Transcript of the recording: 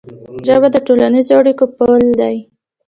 ژبه د ټولنیزو اړیکو پل دی.